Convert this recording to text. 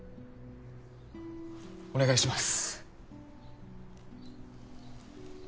お願いします